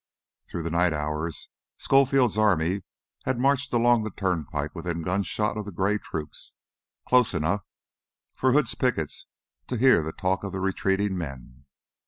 Through the night hours Schofield's army had marched along the turnpike, within gunshot of the gray troops, close enough for Hood's pickets to hear the talk of the retreating men.